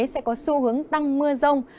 sẽ có xu hướng tăng mưa rông